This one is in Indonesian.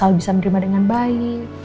dan juga bisa menerima dengan baik